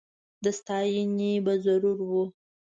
د ستایني به ضرور و